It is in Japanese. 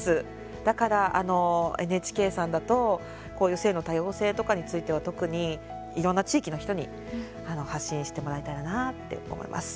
だからＮＨＫさんだと、こういう性の多様性とかについては特に、いろんな地域の人に発信してもらえたらなって思います。